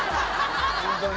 ホントに。